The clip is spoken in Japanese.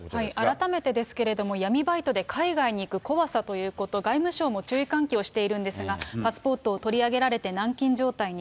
改めてですけれども、闇バイトで海外に行く怖さということ、外務省も注意喚起をしているんですが、パスポートを取り上げられて軟禁状態に。